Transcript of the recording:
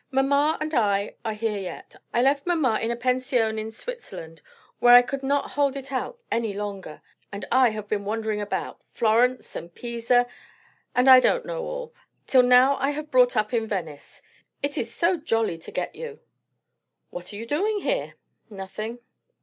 Mamma and I are here yet. I left mamma in a pension in Switzerland, where I could not hold it out any longer; and I have been wandering about Florence, and Pisa, and I don't know all till now I have brought up in Venice. It is so jolly to get you!" "What are you doing here?" "Nothing."